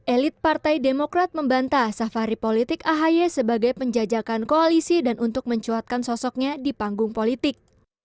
elit partai demokrat membantah safari politik ahy sebagai penjajakan koalisi dan untuk mencuatkan sosoknya di panggung politik